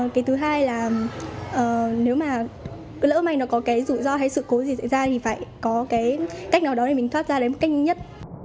cái thứ hai là nếu mà lỡ mà nó có cái rủi ro hay sự cố gì xảy ra thì phải có cái cách nào đó để mình thoát ra đến cách nhất